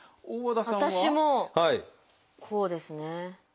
私もこうですね。